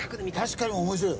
確かに面白い。